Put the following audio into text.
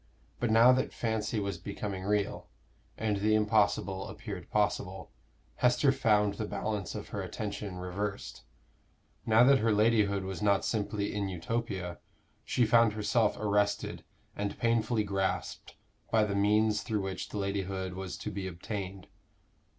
But now that fancy was becoming real, and the impossible appeared possible, Esther found the balance of her attention reversed: now that her ladyhood was not simply in Utopia, she found herself arrested and painfully grasped by the means through which the ladyhood was to be obtained.